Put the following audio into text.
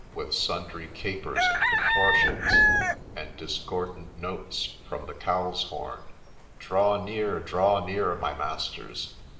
BOTHERBY'S STORY sundry capers and contortions, and discordant notes from the cow's horn. ' Draw near, draw near, my masters